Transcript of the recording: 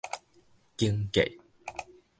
間格